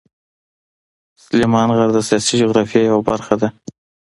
سلیمان غر د سیاسي جغرافیه یوه برخه ده.